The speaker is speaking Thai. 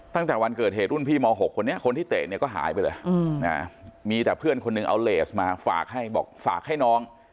ตั้งแต่วันเกิดเหตุรุ่นพี่ม๖คนนี้คนที่เตะเนี่ยก็หายไปเลยมีแต่เพื่อนคนหนึ่งเอาเลสมาฝากให้บอกฝากให้น้อง